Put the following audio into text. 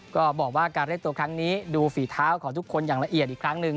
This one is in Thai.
ก็บอกว่าการเรียกตัวครั้งนี้ดูฝีเท้าของทุกคนอย่างละเอียดอีกครั้งหนึ่ง